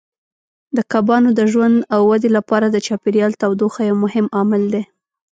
د کبانو د ژوند او ودې لپاره د چاپیریال تودوخه یو مهم عامل دی.